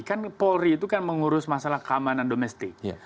kan polri itu kan mengurus masalah keamanan domestik